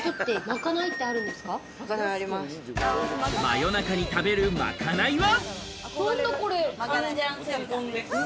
夜中に食べるまかないは？